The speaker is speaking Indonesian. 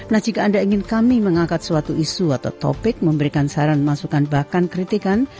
nah jika anda ingin kami mengangkat suatu isu atau topik memberikan saran masukan bahkan kritikan